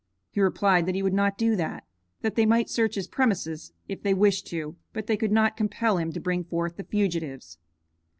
He replied that he would not do that, that they might search his premises if they wished to, but they could not compel him to bring forth the fugitives.